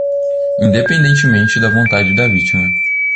independentemente da vontade da vítima